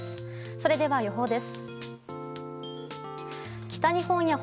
それでは予報です。